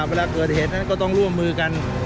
เวลาเกิดเหตุนั้นก็ต้องร่วมมือกัน